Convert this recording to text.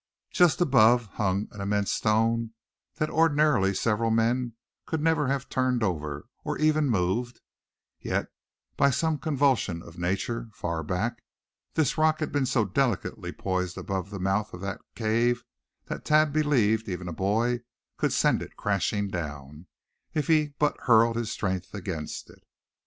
Just above hung an immense stone that ordinarily several men could never have turned over, or even moved; yet by some convulsion of nature far back, this rock had been so delicately poised above the mouth of the cave that Thad believed even a boy could send it crashing down, if he but hurled his strength against it.